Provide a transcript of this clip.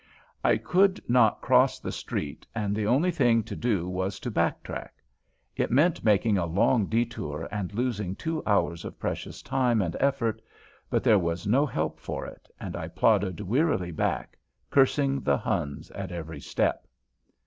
I could not cross the street and the only thing to do was to back track. It meant making a long detour and losing two hours of precious time and effort, but there was no help for it, and I plodded wearily back, cursing the Huns at every step.